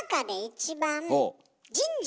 神社。